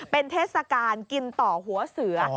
เป็นเทศกาลกินต่อหัวเสือ